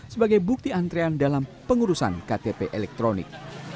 sebagai bukti antrean dalam pengurusan ktp elektronik